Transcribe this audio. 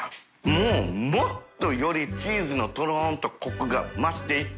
もうもっとよりチーズのとろんとコクが増していって。